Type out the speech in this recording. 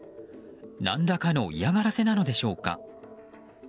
何らかの嫌がらせなのでしょうか。